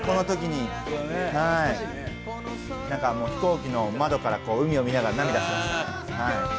飛行機の窓から海を見ながら涙しました。